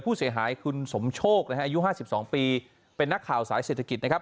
ผู้เสียหายคุณสมโชคนะฮะอายุ๕๒ปีเป็นนักข่าวสายเศรษฐกิจนะครับ